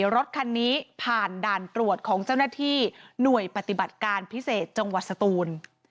รถคันนี้ผ่านด่านตรวจของเจ้าหน้าที่หน่วยปฏิบัติการพิเศษจังหวัดสตูน